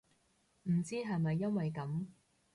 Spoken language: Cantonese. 唔知係咪因為噉